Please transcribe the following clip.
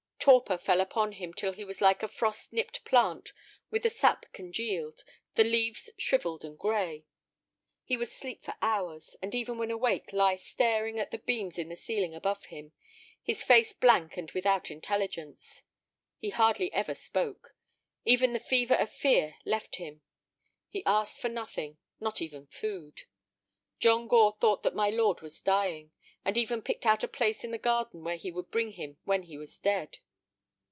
Torpor fell upon him till he was like a frost nipped plant with the sap congealed, the leaves shrivelled and gray. He would sleep for hours, and even when awake lie staring at the beams in the ceiling above him, his face blank and without intelligence. He hardly ever spoke. Even the fever of fear left him. He asked for nothing, not even food. John Gore thought that my lord was dying, and even picked out a place in the garden where he would bring him when he was dead.